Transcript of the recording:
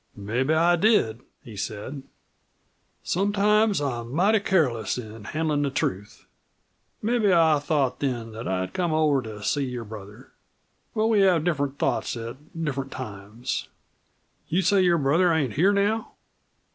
"Mebbe I did," he said; "sometimes I'm mighty careless in handlin' the truth. Mebbe I thought then that I'd come over to see your brother. But we have different thoughts at different times. You say your brother ain't here now?"